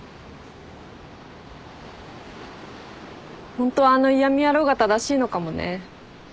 ホントはあの嫌み野郎が正しいのかもね。